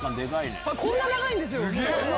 こんな長いんですよ。